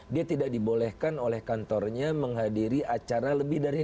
dia tidak dibolehkan oleh kantornya menghadiri acara lebih dari lima puluh orang